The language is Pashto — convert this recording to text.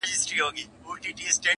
ښار کرار کړي له دې هري شپې یرغله،